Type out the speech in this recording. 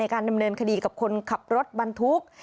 การดำเนินคดีกับคนขับรถบรรทุก